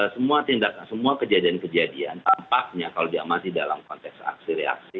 semua tindakan semua kejadian kejadian tampaknya kalau dia masih dalam konteks aksi reaksi